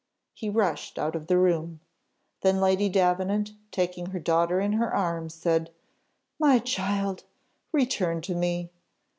He rushed out of the room. Then Lady Davenant, taking her daughter in her arms, said, "My child, return to me!"